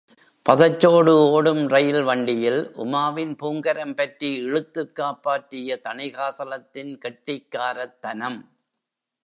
பதச்சோறு ஓடும் ரெயில் வண்டியில் உமாவின் பூங்கரம் பற்றி இழுத்துக் காப்பாற்றிய தணிகாசலத்தின் கெட்டிக்காரத்தனம்.